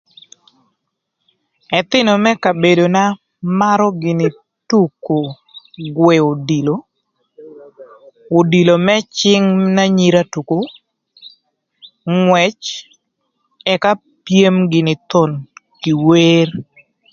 Ëthïnö më kabedona marö gïnï tuko gwëö odilo, odilo më cïng na anyira tuko ngwëc ëka pyem gïnï thon kï wer.